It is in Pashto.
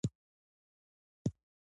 هغه د منظر په سمندر کې د امید څراغ ولید.